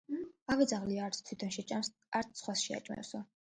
ავი ძაღლი არც თითონ შეჭამს, არც სხვას შეაჭმევსო